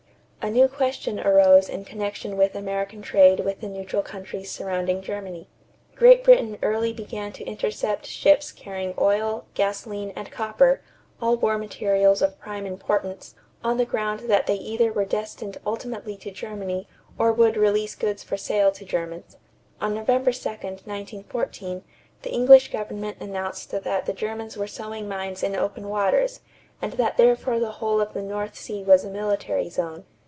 A new question arose in connection with American trade with the neutral countries surrounding Germany. Great Britain early began to intercept ships carrying oil, gasoline, and copper all war materials of prime importance on the ground that they either were destined ultimately to Germany or would release goods for sale to Germans. On November 2, 1914, the English government announced that the Germans wore sowing mines in open waters and that therefore the whole of the North Sea was a military zone.